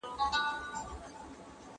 ایا حکومت د بازار نظارت کوي؟